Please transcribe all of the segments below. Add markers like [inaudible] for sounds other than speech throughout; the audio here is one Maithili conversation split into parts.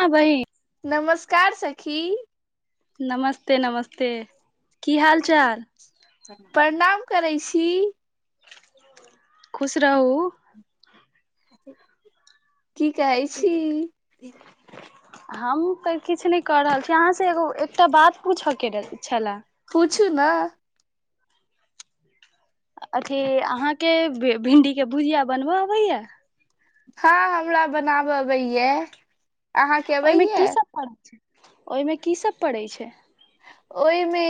हँ बहि नमस्कार सखी नमस्ते नमस्ते की हाल चाल प्रणाम करै छी खुश रहूऊ की कहै छी हम तऽ किछु नहि कऽ रहल छी अहाँ से एगो एकटा बात पूछय के छलए पुछू ने अथी अहाँके भिन्डी के भुजिया बनबैय अबैया हँ हमरा बनाबे अबै ये ओहिमे की सब पड़ै छै ओहिमे की सब पड़ै छै ओहिमे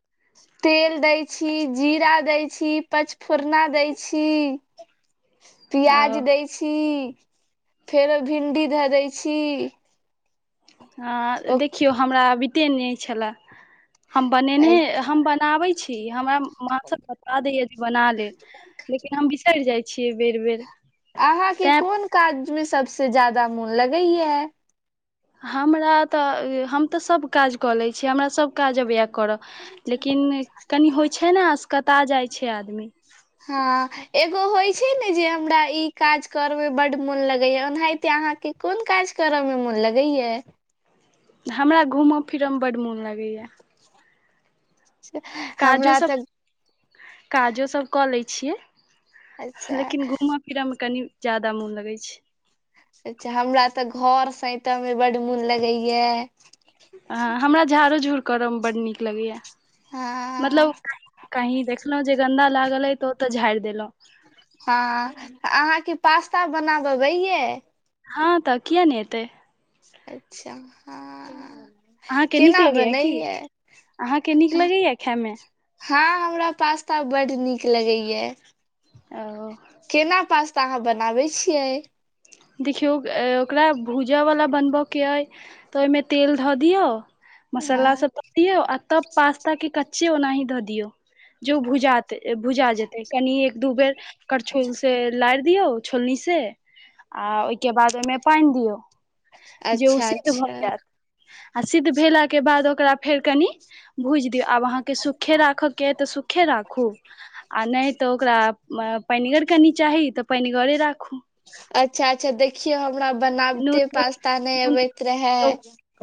[inaudible] तेल दै छी जीरा दय छी पचफोरना दै छी पियाज ओ दै छी फेरो भिंडी धऽ दै छी हँ ओ देखियौ हमरा अ बिते नहि छलए हम बनेने हम बनाबै छी हमरा माँसभ बता दैय जे बना ले लेकिन हम बिसरि जाइ छियै बेर बेर अहाँके तै कोन काज मे सबसे ज्यादा मोन लगैया हमरा तऽ हम तऽ सभ काज कऽ लैत छी हमरा सभ काज अब इएह करय लेकिन कनि होइ छै ने असकता जाइ छै आदमी हँ एगो होइ छै ने जे हमरा ई काज कर मेे बड्ड मोन लगेया ओनाहिते अहाँके कोन काज करऽ मे मोन लगैया हमरा घूमऽ फिरऽ मे बड्ड मोन लागैया [inaudible] हमरा काजोसभ तऽ काजोसभ कऽ लैत छियै अच्छा लेकिन घूम फिरैमे कनि जादा मोन लगै छै अचछा हमरा तऽ घर सैतऽ मे बड्ड मोन लगैया ह हमरा झाड़ो झूर करयमे बड्ड नीक लगैए हँ मतलब कही देखलहुँ जे गन्दा लागल अइ तऽ ओतऽ झाड़ि देलहुँ हँ अहाँके पास्ता बनाबबैये हँ तऽ किया नहि अतै अच्छा हँ अहाँकेँ नीक केना लगैया की बनैये अहाँकेँ नीक लगैया खायमे हँ हमरा पास्ता बड्ड नीक लगैया ओ केना पास्ता अहाँ बनाबैत छियै देखियौ ओकरा भूजय वला बनबयके अइ तँ ओहिमे तेल धऽ दियौ मसाला हँ सब दऽ दियऔ आ तब पास्ता के कच्चे ओनाही धऽ दियौ जे ओ भुजाे भुजा अच्छा जेतै कनि एक दू बेर करछुल से लारि दियौ छोलनी से आ ओहिके बाद ओहिमे पानि दियौ जे ओ अच्छा सिद्ध भऽ जायत आ सिद्ध भेला के बाद ओकरा फेर कनि भुजि दियौ आब अहाँ के सुखे राखऽ के अइ तऽ सुखे राखू आ नहि तऽ ओकरा पानिगर कनि चाही तऽ पानिगरे राखू अच्छा अच्छा देखियौ हमरा नून बनाबते तून पास्ता नहि नून अबैत रहए यौ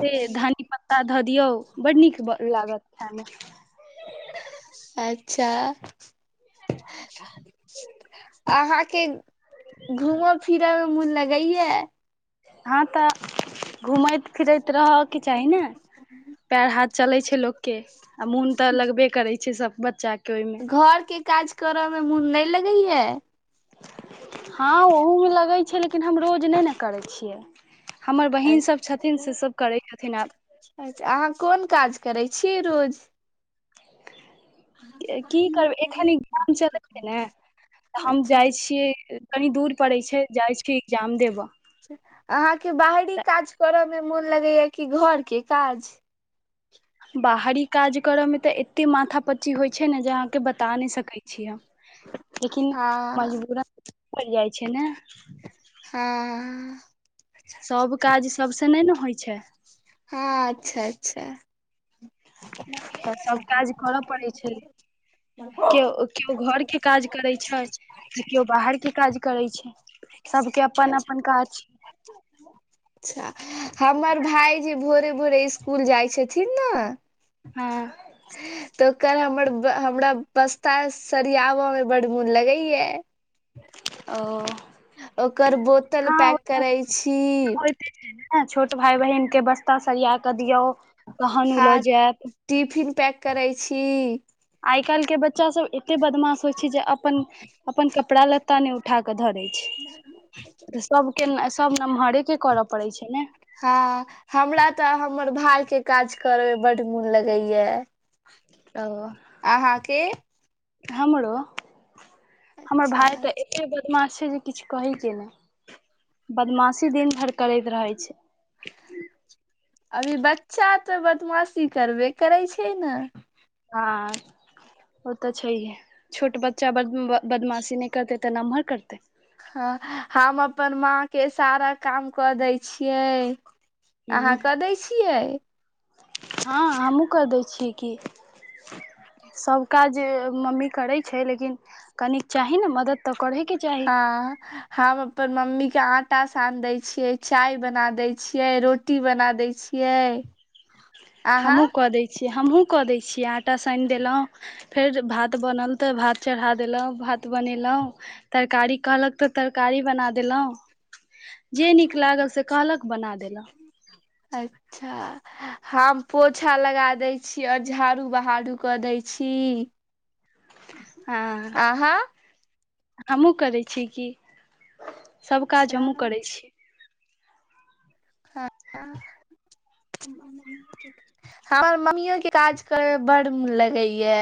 से धनी पत्ता धऽ दियौ बड्ड नीक लागत खायमे अच्छा अहाँके घूमऽ फिरऽ मे मोन लगैया हँ तऽ घूमैत फिरैत रहयके चाही ने पैर हाथ चलै छै लोक के आ मोन तऽ लगबे करै छै सब बच्चा के ओहिमे घर के काज करऽ मे मोन नहि लगैया हँ ओहूमे लगैत छै लेकिन हम रोज नहि ने करैत छियै हमर बहिन अच्छा सभ छथिन से सभ करै छथिन आब अच्छा अहाँ कोन काज करै छी रोज की करबै एखन गाम चलै ने तऽ हम अच्छा जाइ छियै कनि दूर पड़ैत छै जाइ छ एग्जाम देबऽ अहाँके बाहरी काज करयमे मोन लगैए कि घरके काज बाहरी काज करऽ मे तऽ एते माथा पच्ची होइ छै ने जे अहाँ के बता नहि सकैत छी हम लेकिन हँ मजबून पड़ि जाइत छै ने हँ सब काज सबसँ नहि ने होइ छै हँ अच्छा अच्छा तऽ सभ बात काज करय पड़ै छै [unintelligible] केओ केओ घर के काज करैत छै तऽ केओ बाहर के काज करैत छै सबके अपन अपन काज छै अच्छा हमर भाय जे भोरे भोरे इसकुल जाइ छथिन ने हँ ह [inaudible] तऽ ओकर हमर हमरा बस्ता सरियाबऽ मे बड्ड मोन लगैया ओ ओकर बोतल पैक करै छी ऐं [unintelligible] छोट भाई बहिनक के बस्ता सरिया कऽ दियौ तहन ओ लऽ हँ जायत टिफिन पैक करै छी आइ काल्हि के बच्चा सब एते बदमाश होइ छै जे अपन अपन कपड़ा लत्ता ने उठा केे धरे सबके सब नमहरे के करऽ पड़ै छै ने हँ हमरा तऽ हमर भाय के काज करे मे बड्ड मोन लगेया ओ हमरो हमर अच्छा भाय तऽ अच्छा एतेब बदमा छै जे किछु कहे के ने बदमाशी दिन भरि करैत रहे छै अभी बच्चा तऽ बदमाशी करबे करै छै ने हँ ओ तऽ छैहे छोट बच्चा बदमाशी नहि करतै तऽ नमहर करतै हँ हम अपन माँ के सारा काम क दै छियै अहाँ हूँ कऽ दै छियै हँ हमहुँ क दै छियै की सब काज जे मम्मी करे छै लेकिन कन चाही ने मदद तऽ करे के हँ हम अपन मम्मी के आटा सान देय छियै चाय बना देय छियै रोटी रोटी बना दै छियै अहाँ हमहूँ कऽ दै छियै हमहूँ कऽ दै छियै आटा सानि देलहुँ फेर भात बनल तऽ भात चढ़ा देलहुँ भात बनेलहुँ तरकारी कहलक तऽ तरकारी बना देलहुँ जे नीक लागल से कहलक बना देलक अच्छा हम पोछा लगा दै छी और झाड़ू बहारू क दै छी [inaudible] हँ अहाँ हमहु करै छी कि सब काज हमहूँ अच्छा करै छी हँ हमर मम्मीयो के काज करयमे बड्ड मोन लगैया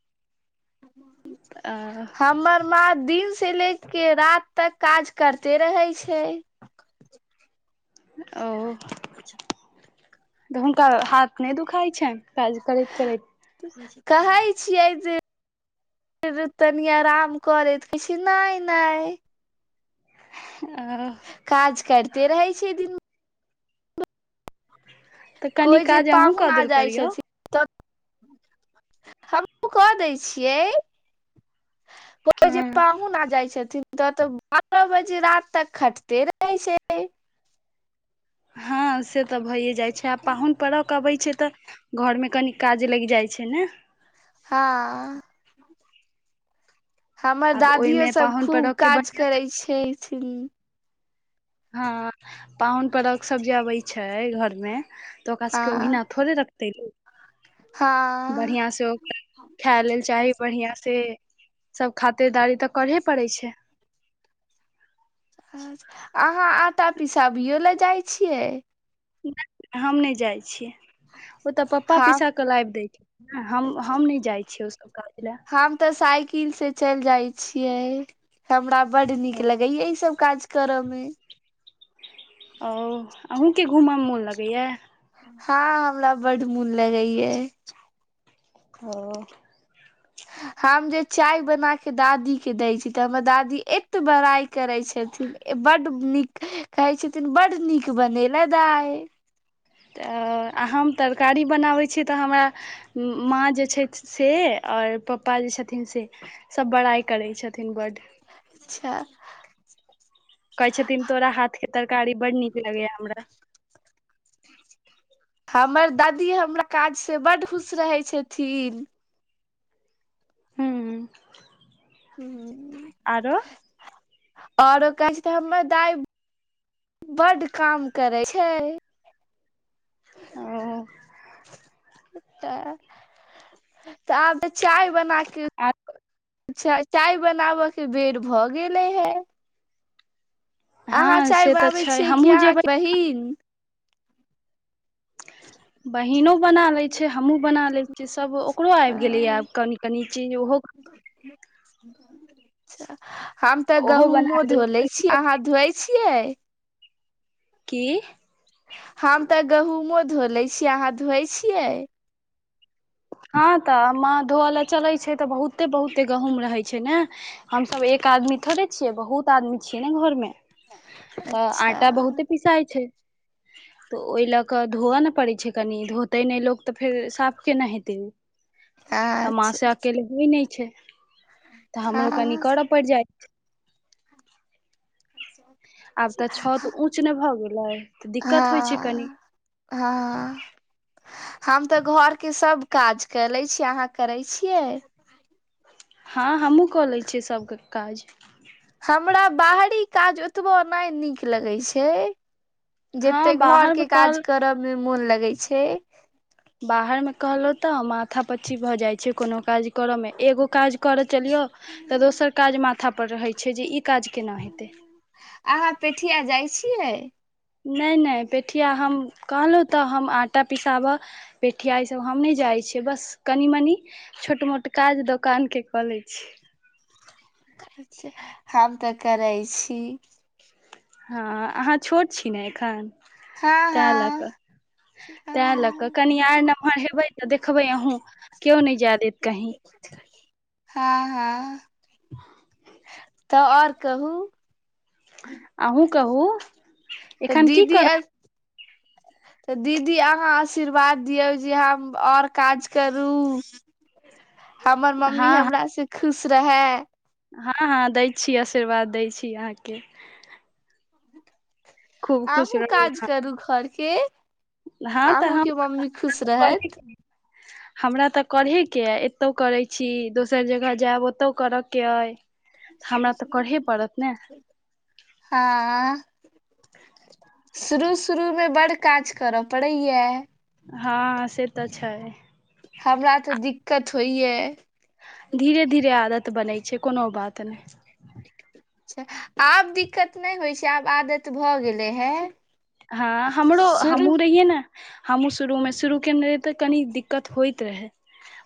ह [inaudible] आ हमर माँ दिनसँ लेके राति तक काज करते रहै छै ओ तऽ हुनका हाथ नहि दुखाइ छनि काज करैत करैत कहै छियै जे तनी आरााम करैत कहै छै नय नय ओ काज करिते रहै छै दिन तऽ कनि कोइ जे काज अहूँ पाहुन कऽ आ देल जाइ करियौ छथि त हमू क दै छियै कोइ जे हँ पाहुन आ जाइ छथिन त त बारह बजे राति तक खटते रहै छै हँ से त भइए जाइ छै आ पाहुन परक‌ अबै छै त घर मे कनी काज लगि जाइ छै ने हँ हमर आब दादियो ओहिमे सब पाहुन खूब परखके काज बढ़िआँ से करे छैथि हँ पाहुन परख सब जे अबै छै घर मे त ओकरा सबके हँ ओहिना थोड़े हँ बढ़िआ से ओ खाय लेल चाही बढिआ से सब खातरदारी त करहे पड़ै छै अहाँ आटा पिसाबियो लए जाइ छियै नहि हम नहि जाइ छियै ओ त पप्पा हम पिसा क लाबि दै छथि हम नहि जाइ छियै ओसभ काज लए त साइकिल से चलि जाय छियै हमरा बड नीक लगे या ई सब काज क्या मे ओ अहुके घूमयमे मोन लगैए य हँ हमरा बड मन लगै य ओ हम जे चाय बना केे दादी के दै छी त हमर दादी एत बड़ाइ करे छथिन बड नीक कहै छथिन बड नीक बनेले दाय त हम तरकारी बनाबैत छी त हमरा माँ जे छै से ओर पप्पा जे छथिन से सभ बड़ाई करै छथिन बड अच्छा कहै छथिन तोरा हाथ के तरकारी बड नीक लगैय हमरा हमर दादी हमरा काजसँ बड्ड खुश रहै छथिन हू आओरो कहै छै हमर दाइ बड काम करै छै ओ त आब त चाय बना के चा चाय बनाबय के बेर भ गेलै हे अहाँ हँ चाय से तऽ बनाबय छै छीयै कि हमहूँ जेबै अहाँके बहिन बहिनो बना लैत छै हमहूँ बना लैत छियै सभ ओकरो आबि गेलैएब कनी कनी चीज ओहो हम त ओहो बना गहुमो धो लेल ले छी कहियौ अहाँ धो छियै की हम त गहुंमो धो ले छीयै अहाँ धोइ छियै हँ त माँ धोय ले चले छै त बहुते बहुते गहुँम रहे छै ने हमसब एक आदमी थोड़े छियै बहुत आदमी छियै ने घर में त अच्छा आटा बहुते पिसाइ छै त ओहि ल क धोव ने पड़ै छै कनि धोते नहि लोक तऽ् फेर साफ केना हेतै ओ आ मास अच्छा से अकेले होइ नहि छै त हमरो कनि हँ कर पड़ि जाइत [unintelligible] आब त छत ऊंच ने भ गेलै तऽ दिक्कत होइ छै कनि हँ हँ हम त घरके सभ काज क ले छीयै अहाँ करै छियै हँ हमहूँ कऽ लैत छियै सभके काज हमरा बाहरी काज ओतबो नहि नीक लगैत छै जेते हँ घर बाहरमे के काज कहल करब मे मोन लगै छै बाहर में कहलो त माथा पच्ची भ जाय छै कोनो काज करए में एगो काज करऽ चलियौ तऽ दोसर काज माथापर रहैत छै जे ई काज केना हेतै अहाँ पेठिया जाइ छियै ने ने पेठिया हम कहलहुँ तयं हम आटा पिसाबय पेठिया ई सब हम नहि जाइ छियै बस कनि मनी छोट मोट काज दोकान के कऽ ले छी हम तऽ करै छी हँ अहाँ छोट छी ने एखन हँ हँ तैं लऽ कऽ हँ कनि आर नमहर हेबै तऽ देखबै अहूँ केओ नहि जाय देत कहीं हँ हँ त ओर कहूँ अहूँ कहू त एखन की दीदी आ करब [inaudible] तऽ दीदी अहाँ आशीर्वाद दियौ जे हम आओर काज करू हमर मम्मी हँ हँ हमरा से खुश रहै हँ हँ दैत छी आशीर्वाद दैत छी अहाँके खूब खुश अहूँ रहू काज करूँ घर के अहाँ हँ तऽ अहूँ हम के मम्मी खुश रहत हमरा तऽ करहेके ह एत ओतौ करै छी दोसर जगह जायब ओतौ करय के अइ तऽ हमरा तऽ करहे पड़त ने हँ शुरू शुरूमे बड्ड काज करय पड़ैए यो हँ से तऽ छै हमरा तऽ दिक्कत होइय धीरे धीरे आदत बनै छै कोनो बात नहि आब दिक्कत नहि होइ छै आब आदत भऽ गेलै हे हँ हमरो शुरू हमहुँ रहिए ने हमहुँ शुरूमे शुरू केने रहहि तऽ कनी दिक्कत होइत रहै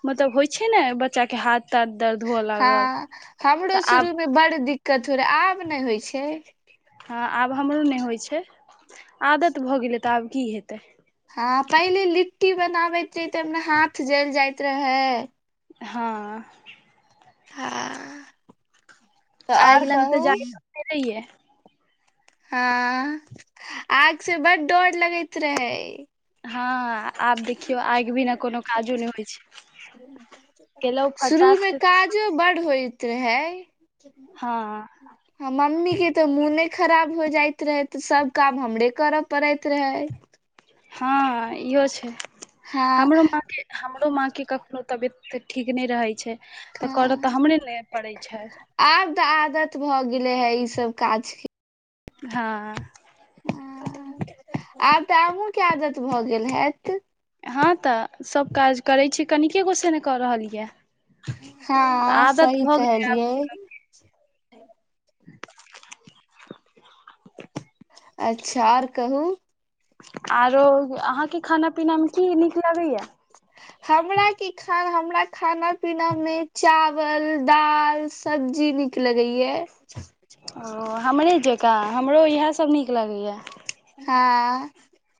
मतलब होइ छै ने बच्चा के हाथ दर्द दर्द हुअ लागल हँ हमरो तऽ आब शुरू मे बड्ड दिक्कत हो रहे आब नहि होइ छै हँ आब हमरो नहि होइत छै आदत भ गेलै त आब की हेतै हँ पहिले लिट्टी बनाबैत रहि ते हाथ जल जाइत रहे हँ हँ तऽ आग आओर लंग [unintelligible] तऽ कहू जाइै हँ आग से बड्ड डर लगैत रहे हँ आब देखियौ आगि बीना कोनो काजो नहि होइ छै केलहुँ शुरू फटाक मे से काजो बड्ड होय त रहै हँ [unintelligible] हं मम्मी के तऽ मोने खराब हो जाइत रहे तऽ सब काम हमरे करय पड़ैत रहे हँ इहो छै हँ हमरो माँ के हमरो माँके कखनो तबियत ठीक नहि रहैत छै तऽ हँ करऽ तऽ हमरे ने पड़ै छै आब तऽ आदत भए गेले है इ सब काज के हँ आब तऽ आहूँके आदत भऽ गेल हैत हँ तऽ सभ काज करैत छी कनिके गोसे ने कऽ रहलियै यऽ हँ सही गेलै आब कहलियै [inaudible] अच्छा आओर कहू आरो अहाँके खाना पीना मे की नीक लगैया हमर कि खाना हमरा खाना पीनामे चावल दालि सब्जी नीक लगैये ओ हमरे जकाँ हमरो इएहसभ नीक लगैयै हँ